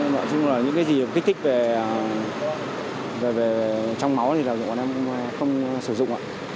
nói chung là những cái gì kích thích về trong máu thì bọn em cũng không sử dụng ạ